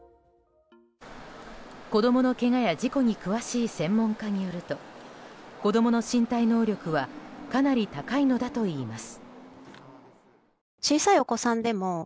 子供のけがや事故に詳しい専門家によると子供の身体能力はかなり高いのだといいます。